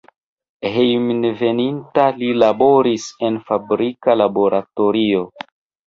Hejmenveninta, li laboris en fabrika laboratorio.